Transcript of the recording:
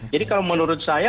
jadi kalau menurut saya